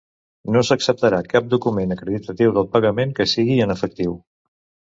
No s'acceptarà cap document acreditatiu del pagament que sigui en efectiu.